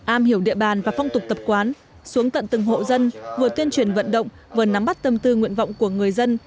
am hiểu địa bàn và phong tục tập quán xuống tận từng hộ dân vừa tuyên truyền vận động vừa nắm bắt tâm tư nguyện vọng của người dân